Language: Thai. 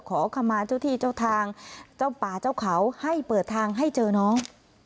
ขอขมาเจ้าที่เจ้าทางเจ้าป่าเจ้าเขาให้เปิดทางให้เจอน้อง